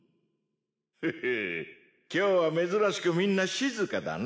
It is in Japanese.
フフッ今日は珍しくみんな静かだな。